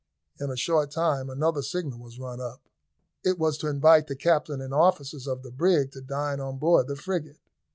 In a short time another signal was run up. It was to invite the captain and officers of the brig to dine on board the frigate.